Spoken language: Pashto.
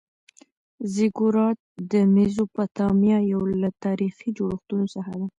زیګورات د میزوپتامیا یو له تاریخي جوړښتونو څخه دی.